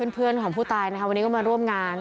เพื่อนของผู้ตายนะคะวันนี้ก็มาร่วมงาน